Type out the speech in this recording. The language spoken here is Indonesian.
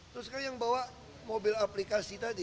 terus kan yang bawa mobil aplikasi tadi